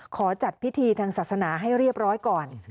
จัดพิธีทางศาสนาให้เรียบร้อยก่อน